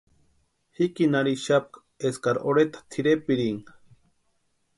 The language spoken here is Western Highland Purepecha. Jikini arhixapka eskari orheta tʼirepirinka.